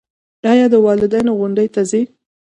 ایا د والدینو غونډې ته ځئ؟